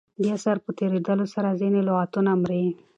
د عصر په تېرېدلو سره ځیني لغتونه مري.